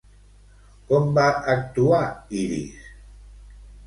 Com va actuar Iris?